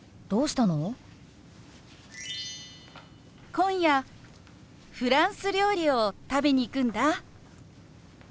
今夜フランス料理を食べに行くんだ。